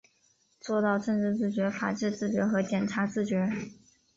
做到政治自觉、法治自觉和检察自觉